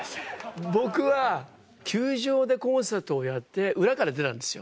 僕は球場でコンサートをやって裏から出たんですよ。